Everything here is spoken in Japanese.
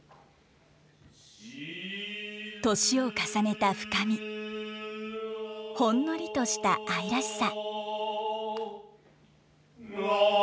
年を重ねた深みほんのりとした愛らしさ。